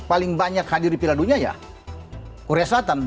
paling banyak hadir di piala dunia ya korea selatan